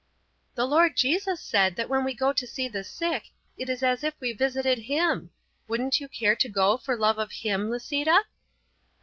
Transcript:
"The Lord Jesus said that when we go to see the sick it is as if we visited Him. Wouldn't you care to go for love of Him, Lisita?"